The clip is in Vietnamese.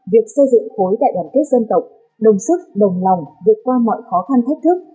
việc xây dựng khối đại đoàn kết dân tộc đồng sức đồng lòng vượt qua mọi khó khăn thách thức